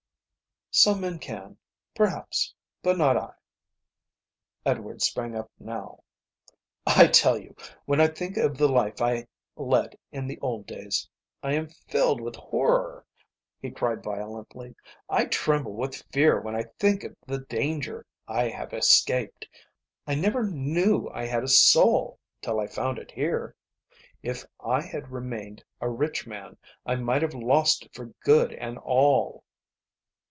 "Some men can, perhaps, but not I." Edward sprang up now. "I tell you when I think of the life I led in the old days I am filled with horror," he cried violently. "I tremble with fear when I think of the danger I have escaped. I never knew I had a soul till I found it here. If I had remained a rich man I might have lost it for good and all."